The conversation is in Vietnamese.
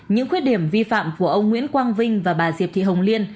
những khuyết điểm vi phạm của ông nguyễn quang vinh và bà diệp thị hồng liên